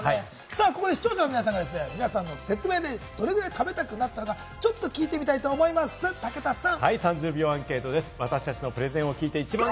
ここで視聴者の皆さんが、皆さんの説明でどれぐらい食べたくなったか、ちょっと聞いてみたいと思います、武田さん。